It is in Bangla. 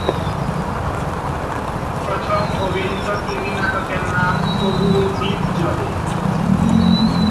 প্রথম অভিনীত টিভি নাটকের নাম ‘তবুও দ্বীপ জ্বলে’।